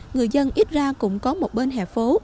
người dân ít ra cũng có một bên hẻ phố